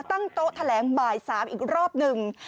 ตั้งโต๊ะแถลงบ่าย๓อีกรอบหนึ่ง